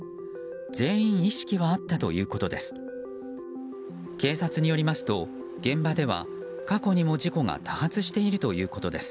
全員、意識はあったということです。